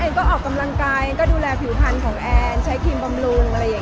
มีคนชอบเช่ากูอยากเล่นคือว่าสืบก็ดูแลผิวขันของแอนของผม